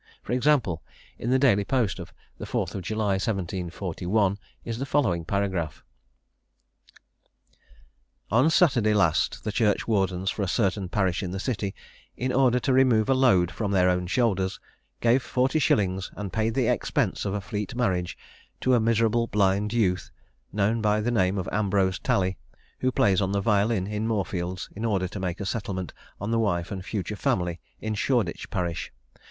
For example, in the Daily Post of the 4th July, 1741, is the following paragraph: "On Saturday last the churchwardens for a certain parish in the city, in order to remove a load from their own shoulders, gave forty shillings, and paid the expense of a Fleet marriage, to a miserable blind youth, known by the name of Ambrose Tally, who plays on the violin in Moorfields, in order to make a settlement on the wife and future family in Shoreditch parish.